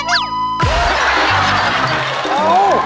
เออ